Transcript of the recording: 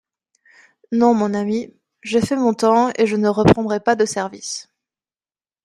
Non, mon ami ; j'ai fait mon temps et je ne reprendrai pas de service.